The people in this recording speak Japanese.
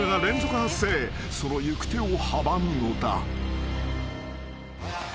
［その行く手を阻むのだ］